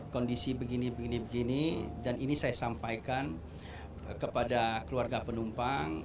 kondisi begini begini begini dan ini saya sampaikan kepada keluarga penumpang